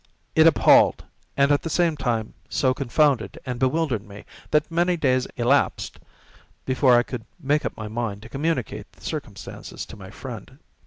It appalled, and at the same time so confounded and bewildered me, that many days elapsed before I could make up my mind to communicate the circumstances to my friend.